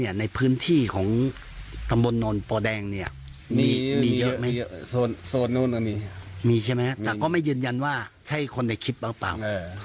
มีแต่ก็ไม่ยืนยันก็ไม่คือว่าเป็นใครเลย